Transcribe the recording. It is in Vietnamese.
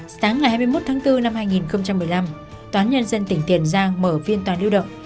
sáng ngày hai mươi một tháng bốn năm hai nghìn một mươi năm toán nhân dân tỉnh tiền giang mở viên toàn lưu động